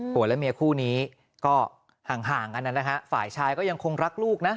และเมียคู่นี้ก็ห่างกันนะฮะฝ่ายชายก็ยังคงรักลูกนะ